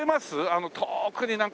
あの遠くになんか。